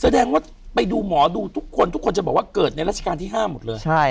แสดงว่าไปดูหมอดูทุกคนทุกคนจะบอกว่าเกิดในราชการที่๕หมดเลย